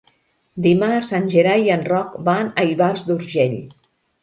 Dimarts en Gerai i en Roc van a Ivars d'Urgell.